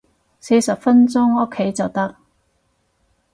四十分鐘屋企就得